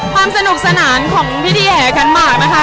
ความสนุกสนานของพี่อย่างแหกระบวนหัวหมากนะคะ